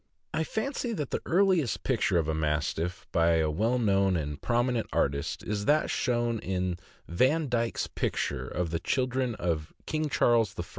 I fancy that the earliest picture of a Mastiff, by a well known and prominent artist, is that shown in Vandyke's picture of the children of King Charles I.